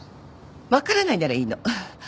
分からないならいいの。